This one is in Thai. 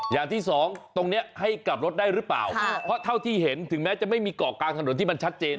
อย่างที่สองตรงนี้ให้กลับรถได้หรือเปล่าเพราะเท่าที่เห็นถึงแม้จะไม่มีเกาะกลางถนนที่มันชัดเจน